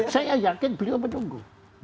saya yakin beliau menunggu